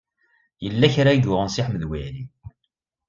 Yella kra i yuɣen Si Ḥmed Waɛli.